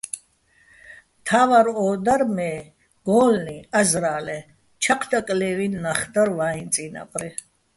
მთა́ვარ ო და მე გო́ლლი, აზრა́ლეჼ, ჩაჴ დაკლე́ვი́ნი ნახ დარ ვაიჼ წინაპრი.